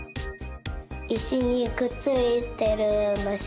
いしにくっついてるむし。